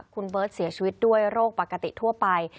คุณเบิร์ตเสียชีวิตด้วยโรคปกติทั่วไป